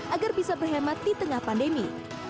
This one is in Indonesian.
agar bisa berhemat di tengah pandemi